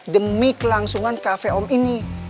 demi kelangsungan cafe om ini